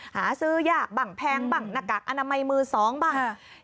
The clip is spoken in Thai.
หาซื้อหยากบังแพงบังนะกากอนามัยมือ๒บาท